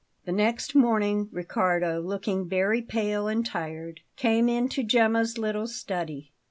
The next morning Riccardo, looking very pale and tired, came into Gemma's little study.